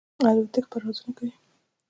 الوتکې پروازونه کوي.